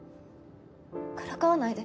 からかわないで。